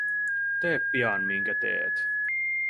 Tee pian minkä teet.